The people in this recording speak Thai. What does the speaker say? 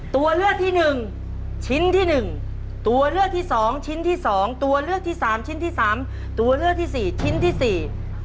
ตัวเลือกที่๑ชิ้นที่๑ตัวเลือกที่๒ชิ้นที่๒ตัวเลือกที่๓ชิ้นที่๓ตัวเลือกที่๔ชิ้นที่๔